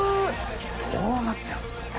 どうなっちゃうんでしょうね。